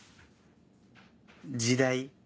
時代？